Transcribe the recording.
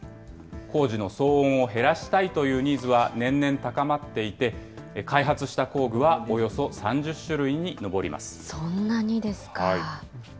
工事の騒音を減らしたいというニーズは年々高まっていて、開発した工具はおよそ３０種類に上ります。